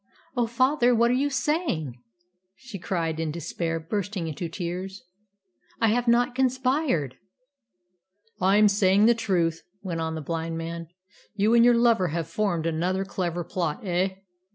"Oh, father, what are you saying?" she cried in despair, bursting into tears. "I have not conspired." "I am saying the truth," went on the blind man. "You and your lover have formed another clever plot, eh?